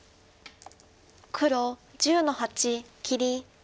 黒１０の八切り。